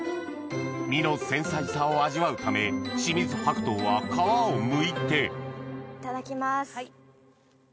実の繊細さを味わうため清水白桃は皮をむいていただきます。